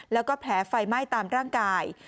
แล้วก็แผลไฟไหม้ตามร่างกาย